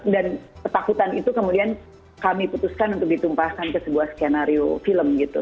dan ketakutan itu kemudian kami putuskan untuk ditumpahkan ke sebuah skenario film gitu